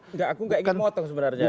enggak aku enggak ingin memotong sebenarnya